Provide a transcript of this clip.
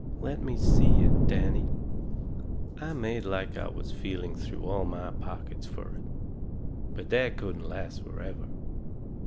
"Let me see it, Danny." I made like I was feeling through all my pockets fur it. But that couldn't last forever.